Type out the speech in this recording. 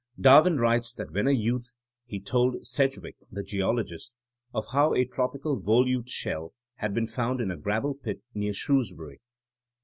''^ Darwin writes that when a youth he told Sedgwick the geologist of how a tropical Volute shell had been found in a gravel pit near Shrewsbury.